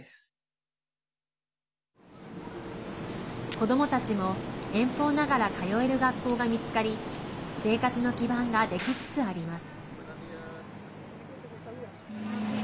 子どもたちも遠方ながら通える学校が見つかり生活の基盤が、できつつあります。